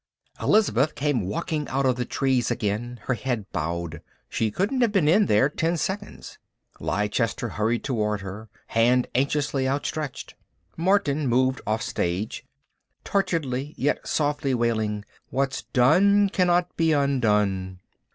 Elizabeth came walking out of the trees again, her head bowed. She couldn't have been in them ten seconds. Leicester hurried toward her, hand anxiously outstretched. Martin moved offstage, torturedly yet softly wailing, "What's done cannot be undone."